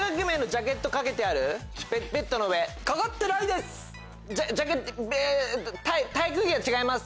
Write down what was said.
ジャケット体育着が違います。